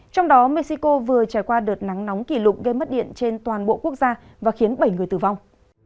trong đó mexico vừa trải qua đợt nắng nóng kỷ lục gây mất điện trên toàn bộ quốc gia và khiến bảy người tử vong